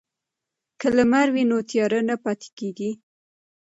که لمر وي نو تیارې نه پاتیږي.